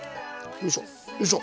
よいしょ。